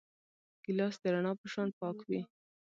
ګیلاس د رڼا په شان پاک وي.